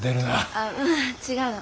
あううん違うの。